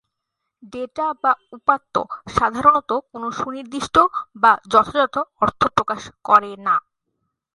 Data বা উপাত্ত সাধারণত কোন সুনির্দিষ্ট বা যথাযথ অর্থ প্রকাশ করে না।